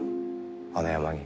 あの山に。